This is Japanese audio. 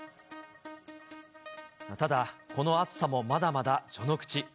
ただ、この暑さもまだまだ序の口。